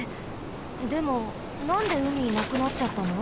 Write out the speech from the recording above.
でもなんでうみなくなっちゃったの？